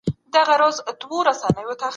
که ټولنه پر تقوی ولاړه وي بريا مومي.